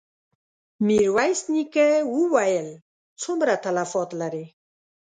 ميرويس نيکه وويل: څومره تلفات لرې؟